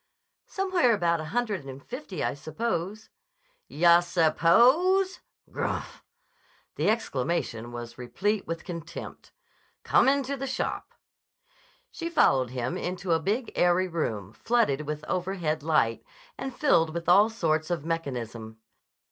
_" "Somewhere about a hundred and fifty, I suppose." "Yah suppose. Grmph!" The exclamation was replete with contempt. "Come into the shop." She followed him into a big airy room flooded with overhead light, and filled with all sorts of mechanism.